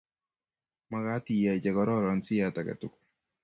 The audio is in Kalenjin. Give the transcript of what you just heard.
Magaat iyay chegororon siat agetugul